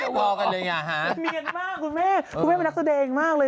วอลกันเลยไงฮะเนียนมากคุณแม่คุณแม่เป็นนักแสดงมากเลย